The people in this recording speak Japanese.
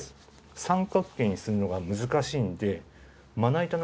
三角形にするのが難しいんで。